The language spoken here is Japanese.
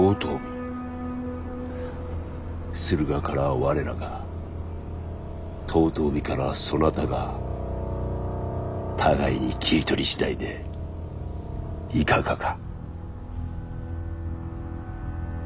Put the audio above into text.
駿河からは我らが遠江からはそなたが互いに切り取り次第でいかがか。